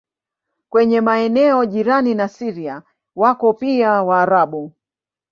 Kwenye maeneo jirani na Syria wako pia Waarabu.